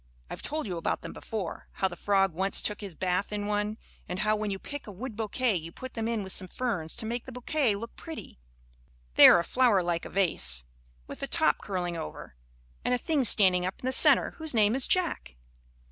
I've told you about them before, how the frog once took his bath in one, and how, when you pick a wood bouquet you put them in with some ferns to make the bouquet look pretty. They are a flower like a vase, with a top curling over, and a thing standing up in the centre whose name is "Jack."